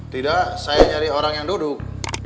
tidak saya nyari orang yang duduk